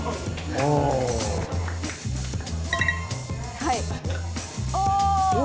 はい。